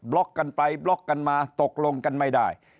ล็อกกันไปบล็อกกันมาตกลงกันไม่ได้